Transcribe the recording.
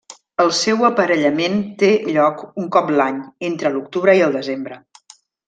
El seu d'aparellament té lloc un cop l'any, entre l'octubre i el desembre.